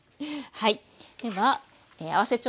はい。